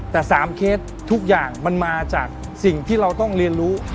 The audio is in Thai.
แต่๓เคสทุกอย่างมันมาจากสิ่งที่เราต้องเรียนรู้